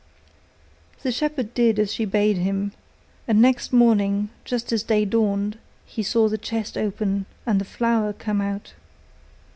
The shepherd did as she bade him, and next morning just as day dawned, he saw the chest open, and the flower come out.